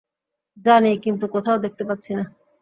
জানি, কিন্তু কোথাও দেখতে পাচ্ছি না।